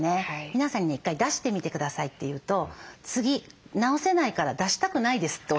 皆さんに「１回出してみて下さい」って言うと「次直せないから出したくないです」っておっしゃるんですね。